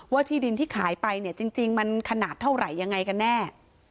ว่าที่ดินที่ขายไปจริงมันขนาดเท่าไหร่อย่างไรกันแน่